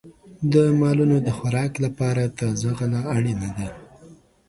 د مالونو د خوراک لپاره تازه غله اړینه ده.